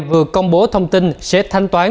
vừa công bố thông tin sẽ thanh toán